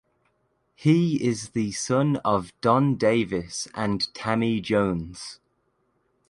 He is the son of Don Davis and Tammi Jones.